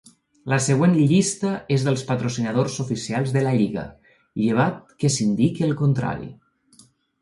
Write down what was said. La següent llista és dels patrocinadors oficials de la Lliga, llevat que es indiqui el contrari.